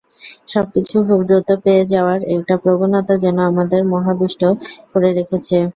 সবকিছু খুব দ্রুত পেয়ে যাওয়ার একটা প্রবণতা যেন আমাদের মোহাবিষ্ট করে রেখেছে।